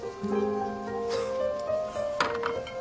フッ。